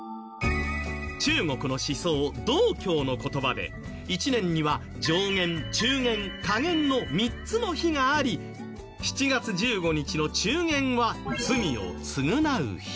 中国の思想道教の言葉で一年には上元中元下元の３つの日があり７月１５日の中元は。